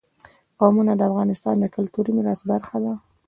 قومونه د افغانستان د کلتوري میراث برخه ده.